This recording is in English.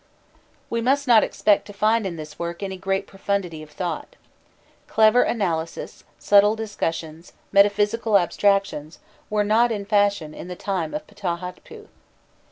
'" We must not expect to find in this work any great profundity of thought. Clever analyses, subtle discussions, metaphysical abstractions, were not in fashion in the time of Phtahhotpû.